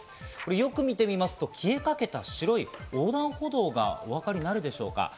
よく見てみると消えかけた白い横断歩道がお分かりになるでしょうか？